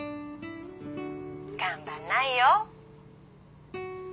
頑張んないよ。